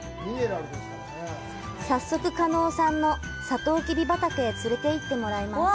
早速、叶さんのサトウキビ畑へ連れて行ってもらいます。